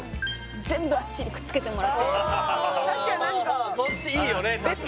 全部あっちにくっつけてもらってあ確かに何かこっちいいよね